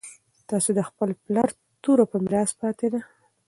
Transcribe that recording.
تاسو ته د خپل پلار توره په میراث پاتې ده.